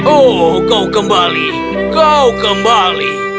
oh kau kembali kau kembali